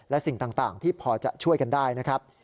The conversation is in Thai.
และสิ่งต่างที่พอจะช่วยกันได้นะครับ